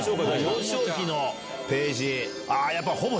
幼少期のページ。